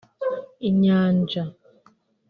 Inyanja